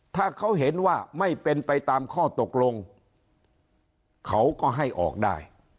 ถ้าเขาเห็นว่าไม่เป็นไปตามข้อตกลงเขาก็ให้ออกได้